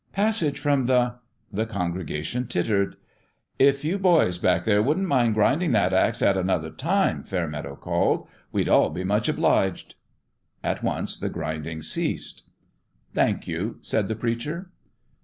" Passage from the " The congregation tittered. " If you boys back there wouldn't mind grind ing that axe at another time," Fairmeadow called, " we'd all be much obliged." At once the grinding ceased. " Thank you," said the preacher.